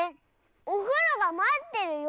「おふろがまってるよ」！